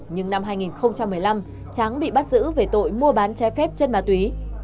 nhưng năm hai nghìn một mươi năm tráng bị bắt giữ về tội mua bán trái phép chân ma túy